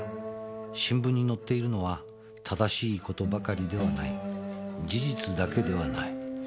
「新聞に載っているのは正しい事ばかりではない」「事実だけではない」